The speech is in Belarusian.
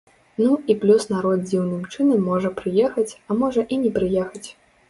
Ну, і плюс народ дзіўным чынам можа прыехаць, а можа і не прыехаць.